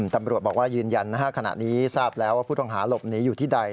ตำรวจบอกว่ายืนยันขณะนี้ทราบแล้วว่าผู้ต้องหาหลบหนีอยู่ที่ใด